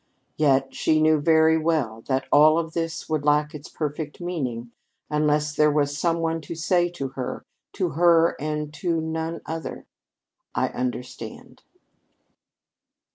Yet she knew very well that all of this would lack its perfect meaning unless there was some one to say to her to her and to none other: "I understand."